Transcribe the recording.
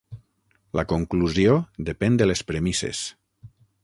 La conclusió depèn de les premisses.